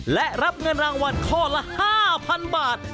และรับเงินรางวัลข้อละ๕๐๐๐บาท